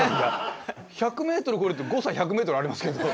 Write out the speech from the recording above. １００ｍ超えるって誤差１００ｍありますけど。